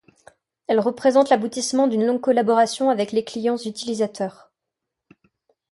Elle représente l’aboutissement d’une longue collaboration avec les clients utilisateurs.